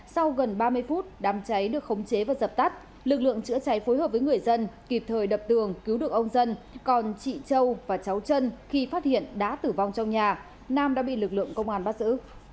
sau gần ba mươi phút đám cháy được khống chế và dập tắt lực lượng chữa cháy phối hợp với người dân kịp thời đập tường cứu được ông dân còn chị châu và cháu chân khi phát hiện đã tử vong trong nhà nam đã bị lực lượng công an bắt giữ